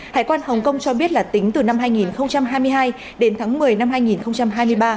hải quan hồng kông cho biết là tính từ năm hai nghìn hai mươi hai đến tháng một mươi năm hai nghìn hai mươi ba